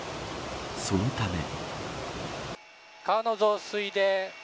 そのため。